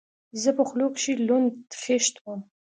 زه په خولو کښې لوند خيشت وم.